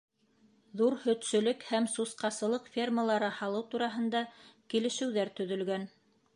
Ҙур һөтсөлөк һәм сусҡасылыҡ фермалары һалыу тураһында килешеүҙәр төҙөлгән.